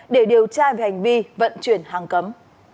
để điều tra về hành vi vận chuyển hàng cấm